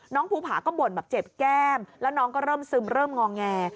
ภูผาก็บ่นแบบเจ็บแก้มแล้วน้องก็เริ่มซึมเริ่มงอแง